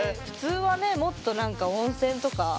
普通はねもっと何か温泉とか。